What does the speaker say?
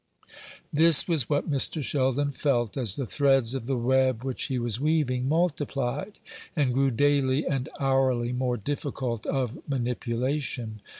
This was what Mr. Sheldon felt, as the threads of the web which he was weaving multiplied, and grew daily and hourly more difficult of manipulation.